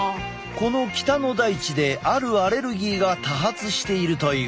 この北の大地であるアレルギーが多発しているという。